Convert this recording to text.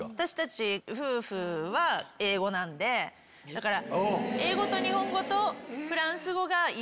だから。